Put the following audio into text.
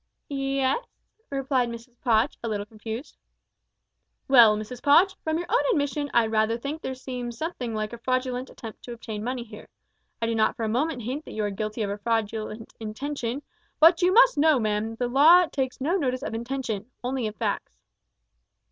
"Ye es!" replied Mrs Podge, a little confused. "Well, Mrs Podge, from your own admission I rather think that there seems something like a fraudulent attempt to obtain money here. I do not for a moment hint that you are guilty of a fraudulent intention, but you must know, ma'am, that the law takes no notice of intentions only of facts."